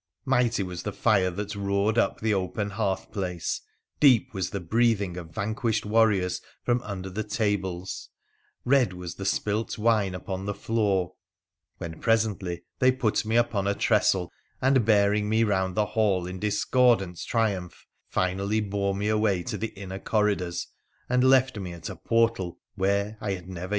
Mighty was the fire that roared up the open hearthplace ; deep was the breathing of vanquished warriors from under the tables ; red was the spilt wine upon the floor — when presently they put me upon a tressel, and, bearing me round the hall in discordant triumph, finally bore me away to the inner corridors, and left me at a portal where I never yet had entered